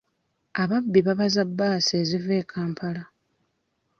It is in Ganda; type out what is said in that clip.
Ababbi babaza bbaasi eziva e Kampala